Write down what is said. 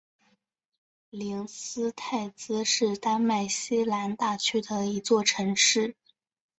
灵斯泰兹是丹麦西兰大区的一座城市。